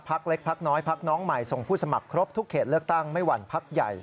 เล็กพักน้อยพักน้องใหม่ส่งผู้สมัครครบทุกเขตเลือกตั้งไม่หวั่นพักใหญ่